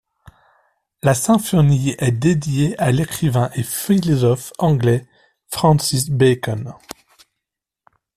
La symphonie est dédiée à l'écrivain et philosophe anglais Francis Bacon.